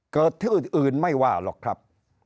เกิดที่อื่นไม่ว่าหรอกครับ